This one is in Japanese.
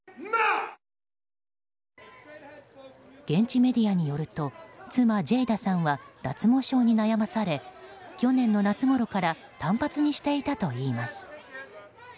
現地メディアによると妻ジェイダさんは脱毛症に悩まされ去年の夏ごろから短髪にしていたといいます。